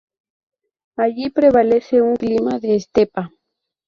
Allí prevalece un clima de estepa.